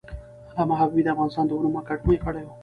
علامه حبیبي د افغانستان د علومو اکاډمۍ غړی و.